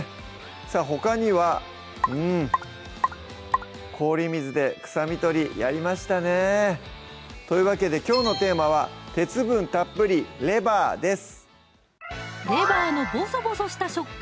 さぁほかにはうん氷水で臭み取りやりましたねというわけできょうのテーマは「鉄分たっぷり！レバー」です